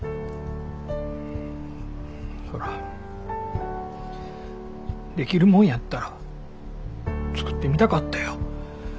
そらできるもんやったら作ってみたかったよ。